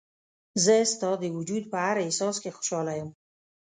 زه ستا د وجود په هر احساس کې خوشحاله یم.